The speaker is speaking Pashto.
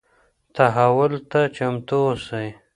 تحول ته چمتو اوسئ.